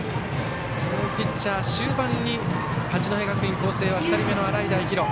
ピッチャー、終盤に八戸学院光星は２人目の洗平比呂。